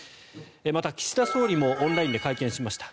また、岸田総理もオンラインで会見しました。